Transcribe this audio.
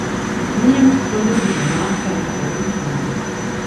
Williams gründete danach seine eigene Firma.